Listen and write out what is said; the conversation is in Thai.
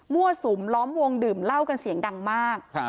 สุมล้อมวงดื่มเหล้ากันเสียงดังมาก